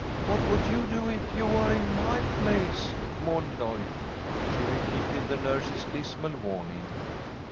"What would you do if you were in my place?" mourned Lloyd. She repeated the nurse's dismal warning.